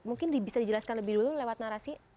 mungkin bisa dijelaskan lebih dulu lewat narasi